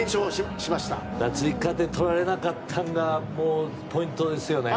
追加で取られなかったのがポイントですよね。